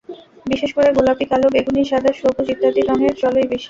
বিশেষ করে গোলাপি, কালো, বেগুনি, সাদা, সবুজ ইত্যাদি রঙের চলই বেশি।